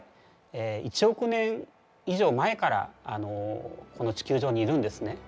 １億年以上前からこの地球上にいるんですね。